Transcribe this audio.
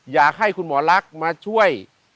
อยากให้คุณหมอลักษณ์มาช่วย